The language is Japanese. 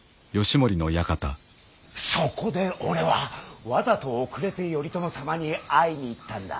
そこで俺はわざと遅れて頼朝様に会いに行ったんだ。